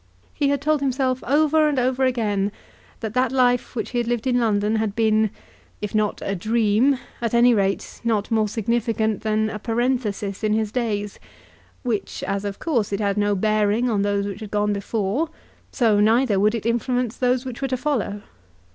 He had told himself over and over again that that life which he had lived in London had been, if not a dream, at any rate not more significant than a parenthesis in his days, which, as of course it had no bearing on those which had gone before, so neither would it influence those which were to follow.